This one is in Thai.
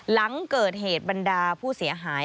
หลังเกิดเหตุบรรดาผู้เสียหาย